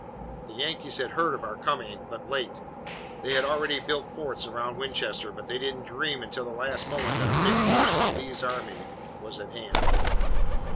The Yankees had heard of our coming, but late. They had already built forts around Winchester, but they didn't dream until the last moment that a big force from Lee's army was at hand.